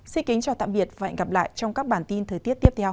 xin kính chào tạm biệt và hẹn gặp lại trong các bản tin thời tiết tiếp theo